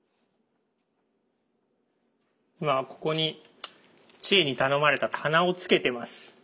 今ここに千恵に頼まれた棚をつけてます。